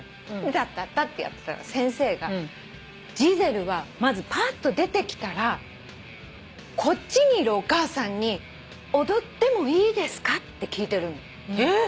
タッタッタってやってたら先生がジゼルはまずぱーっと出てきたらこっちにいるお母さんに「踊ってもいいですか？」って聞いてるんだって。